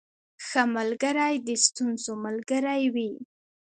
• ښه ملګری د ستونزو ملګری وي.